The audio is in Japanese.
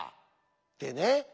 ってね。